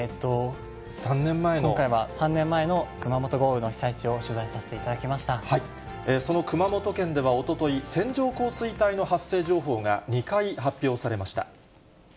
今回は３年前の熊本豪雨の被その熊本県ではおととい、線状降水帯の発生情報が２回発表されました。